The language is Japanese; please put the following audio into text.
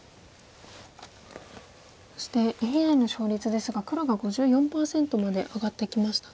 そしてＡＩの勝率ですが黒が５４％まで上がってきましたね。